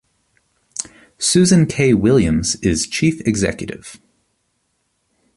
Susan Kay-Williams is Chief Executive.